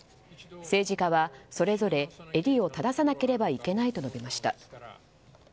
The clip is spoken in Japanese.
政治家はそれぞれ襟を正さなければいけないと述べました。